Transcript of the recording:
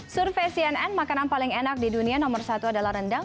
survei cnn makanan paling enak di dunia nomor satu adalah rendang